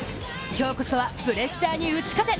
今日こそは、プレッシャーに打ち勝て！